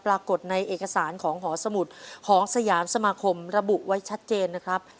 ปรากฏในเอกสารของหอสมุทรของสยามสมาคมระบุไว้ชัดเจนนะครับ